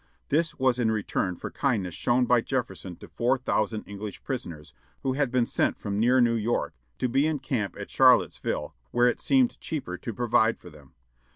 This was in return for kindness shown by Jefferson to four thousand English prisoners, who had been sent from near New York, to be in camp at Charlottesville, where it seemed cheaper to provide for them.